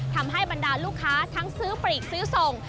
ทำให้บรรดาลูกค้าทั้งซื้อปลีกซื้อส่ง